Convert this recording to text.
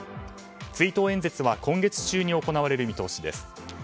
追悼演説は今月中に行われる見通しです。